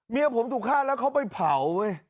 เมียผมถูกฆ่าแล้วเขาไปเผาเว้ย